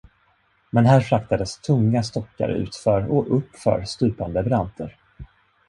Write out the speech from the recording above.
Men här fraktades tunga stockar utför och uppför stupande branter.